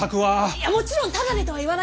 もちろんタダでとは言わないよ！